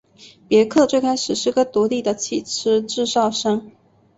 别克最开始是个独立的汽车制造商。